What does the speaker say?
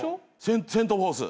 セント・フォース。